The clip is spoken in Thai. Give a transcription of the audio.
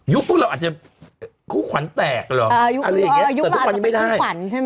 ยุคพวกเราอาจจะคู่ขวัญแตกหรออ่าอะไรอย่างเงี้ยอ่ายุคพวกเราอาจจะเป็นคู่ขวัญใช่ไหม